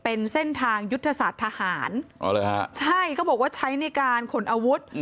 เป็นเส้นทางยุทธศาสตร์ทหารอ๋อเหรอฮะใช่เขาบอกว่าใช้ในการขนอาวุธ